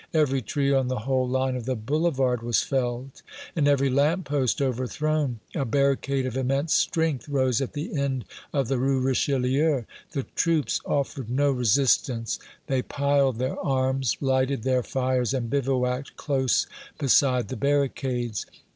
Every tree on the whole line of the Boulevard was felled and every lamp post overthrown; a barricade of immense strength rose at the end of the Rue Richelieu; the troops offered no resistance; they piled their arms, lighted their fires and bivouacked close beside the barricades.